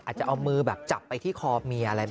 จะเอามือแบบจับไปที่คอเมียอะไรแบบนี้